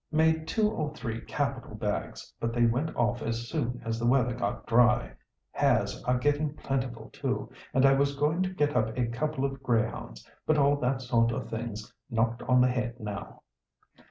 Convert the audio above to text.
"Made two or three capital bags, but they went off as soon as the weather got dry. Hares are getting plentiful too, and I was going to get up a couple of greyhounds, but all that sort of thing's knocked on the head now."